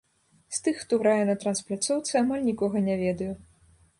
З тых, хто грае на транс-пляцоўцы, амаль нікога не ведаю.